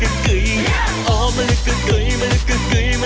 เตรียม